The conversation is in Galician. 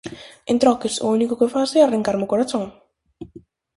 En troques, o único que fas é arrincarme o corazón!